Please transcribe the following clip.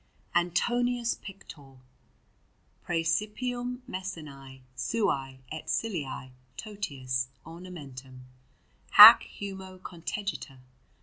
ANTONIUS PICTOR, PRÆCIPUUM MESSANÆ SUÆ ET SICILIÆ TOTIUS ORNAMENTUM, HAC HUMO CONTEGITUR.